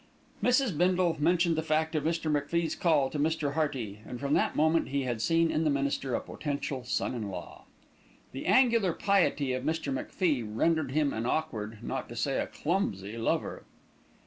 Mrs. Bindle mentioned the fact of Mr. MacFie's call to Mr. Hearty, and from that moment he had seen in the minister a potential son in law. The angular piety of Mr. MacFie rendered him an awkward, not to say a clumsy, lover.